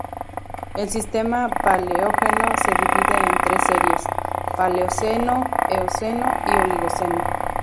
El sistema Paleógeno se divide en tres series: Paleoceno, Eoceno y Oligoceno.